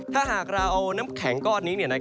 ถ้าหากเราเอาน้ำแข็งก้อนนี้